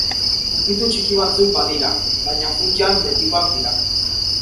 Ukitu txiki batzuk badira, baina, funtsean betikoak dira.